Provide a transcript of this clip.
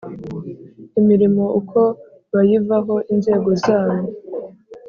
Imirimo uko bayivaho inzego zabo